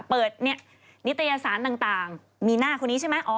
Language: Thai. เปิดนิตยสารต่างมีหน้าคนนี้ใช่ไหม